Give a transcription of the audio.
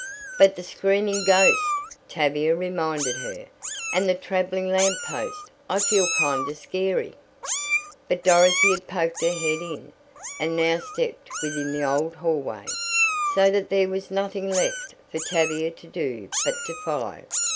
"But the screaming ghost," Tavia reminded her. "And the traveling lamp post. I feel kind of scary " But Dorothy had poked her head in, and now stepped within the old hallway, so that there was nothing left for Tavia to do but to follow.